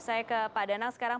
saya ke pak danang sekarang